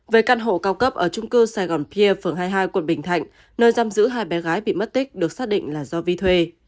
về căn hộ cao cấp ở trung cư sài gòn pia phường hai mươi hai quận bình thạnh nơi giam giữ hai bé gái bị mất tích được xác định là do vi thuê